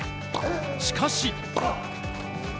しかし。